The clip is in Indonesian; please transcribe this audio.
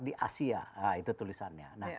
di asia itu tulisannya